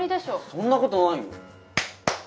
そんな事ないよ。